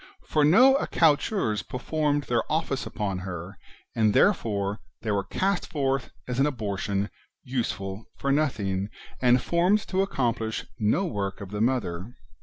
For no accoucheurs per formed their office upon her, and therefore they were cast forth as an abortion, useful for nothing, and formed to accomplish no work of the Mother.